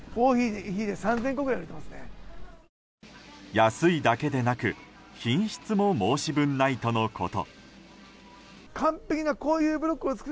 安いだけでなく品質も申し分ないとのこと。